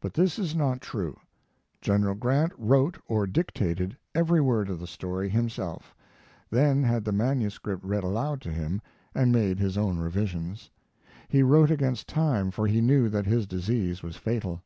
But this is not true. General Grant wrote or dictated every word of the story himself, then had the manuscript read aloud to him and made his own revisions. He wrote against time, for he knew that his disease was fatal.